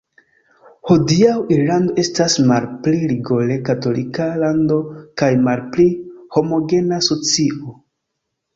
Hodiaŭ Irlando estas malpli rigore katolika lando kaj malpli homogena socio.